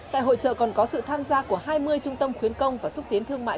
tại hội trợ còn có sự tham gia của hai mươi trung tâm khuyến công và xúc tiến thương mại